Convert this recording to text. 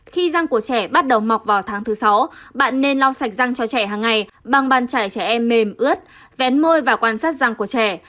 khi răng của trẻ bắt đầu mọc vào tháng thứ sáu bạn nên lau sạch răng cho trẻ hằng ngày bằng bàn chải trẻ em mềm ướt vén môi và quan sát răng của trẻ